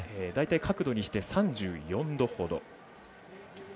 大体、角度にして３４度ほど。